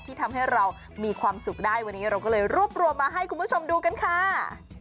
ทำให้เรามีความสุขได้วันนี้เราก็เลยรวบรวมมาให้คุณผู้ชมดูกันค่ะ